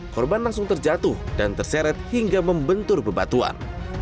korban langsung terjatuh dan terseret hingga membentur bebatuan